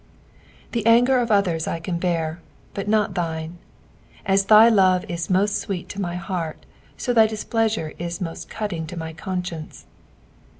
"Die anger of others I can bear, but not thine. As thy love is most sweet to my heart, ao tby displeasure is most cutting to my conscience.